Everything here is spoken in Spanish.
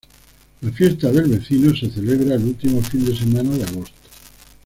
La Fiesta del Vecino se celebra el último fin de semana de agosto.